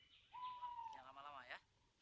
jangan lama lama ya